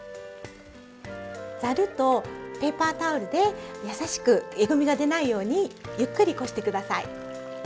ざるとペーパータオルで優しくえぐみが出ないようにゆっくりこして下さい。